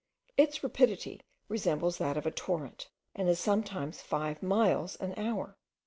Its rapidity resembles that of a torrent, and is sometimes five miles an hour.